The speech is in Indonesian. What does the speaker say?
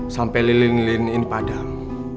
sampai lilin lilin ini padam